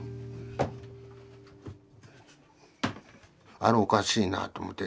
「あれおかしいな」と思って。